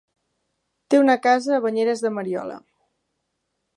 Té una casa a Banyeres de Mariola.